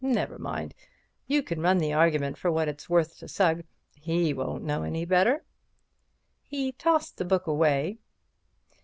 Never mind. You can run the argument for what it's worth to Sugg. He won't know any better." He tossed the book away.